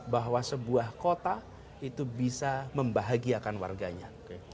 bahwa sebuah kota itu bisa membahagiakan warganya